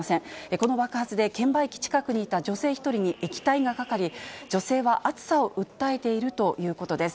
この爆発で、券売機近くにいた女性１人に液体がかかり、女性は熱さを訴えているということです。